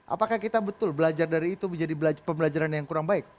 apakah kita betul belajar dari itu menjadi pembelajaran yang kurang baik